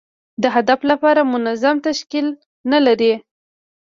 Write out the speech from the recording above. د هدف لپاره منظم تشکیل نه لري.